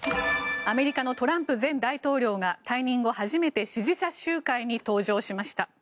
アメリカのトランプ前大統領が退任後初めて支持者集会に登場しました。